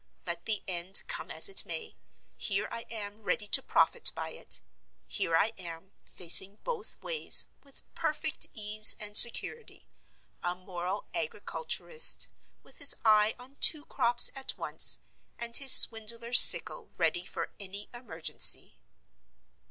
Let the end come as it may, here I am ready to profit by it: here I am, facing both ways, with perfect ease and security—a moral agriculturist, with his eye on two crops at once, and his swindler's sickle ready for any emergency.